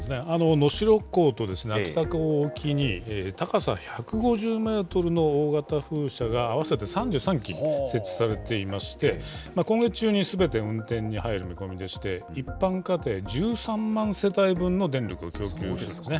能代港と秋田港沖に、高さ１５０メートルの大型風車が合わせて３３基設置されていまして、今月中にすべて運転に入る見込みでして、一般家庭１３万世帯分の電力を供給できるんですね。